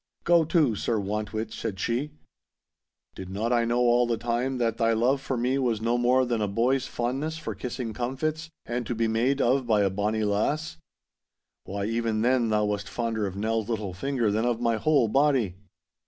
'Go to, Sir Want wit,' said she. 'Did not I know all the time that thy love for me was no more than a boy's fondness for kissing comfits, and to be made of by a bonny lass? Why, even then thou wast fonder of Nell's little finger than of my whole body.